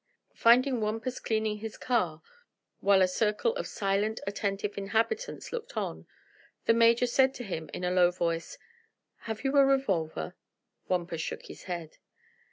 Finding Wampus cleaning his car, while a circle of silent, attentive inhabitants looked on, the Major said to him in a low voice: "Have you a revolver?" Wampus shook his head.